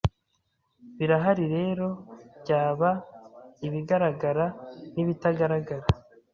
birahari rero byaba ibigaragara n’ibitagaragara